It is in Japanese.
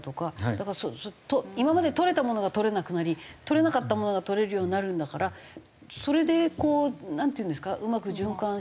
だから今までとれたものがとれなくなりとれなかったものがとれるようになるんだからそれでこうなんていうんですかうまく循環して。